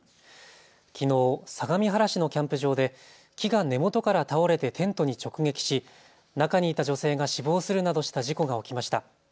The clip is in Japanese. きのう、相模原市のキャンプ場で木が根元から倒れてテントに直撃し、中にいた女性が死亡するなどした事故が起きました。